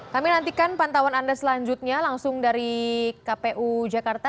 kami nantikan pantauan anda selanjutnya langsung dari kpu jakarta